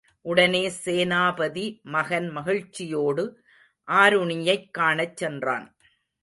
உடனே சேனாபதி மகன் மகிழ்ச்சியோடு ஆருணியைக் காணச் சென்றான்.